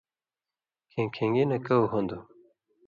کھیں کِھن٘گی نہ کؤ ہُون٘دوۡ